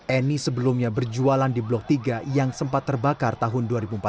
eni sebelumnya berjualan di blok tiga yang sempat terbakar tahun dua ribu empat belas